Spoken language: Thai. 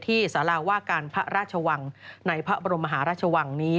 สาราว่าการพระราชวังในพระบรมมหาราชวังนี้